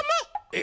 え？